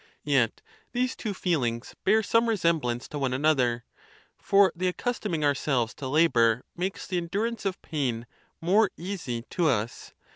Yet these two feelings bear some resemblance to one another; for the accustoming ourselves to labor makes the endurance of pain more easy to us.